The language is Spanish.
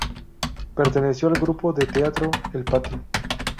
Perteneció al grupo de teatro El Patio.